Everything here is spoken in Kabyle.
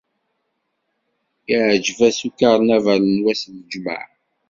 Iɛǧeb-as ukarnaval n wass n lǧemɛa.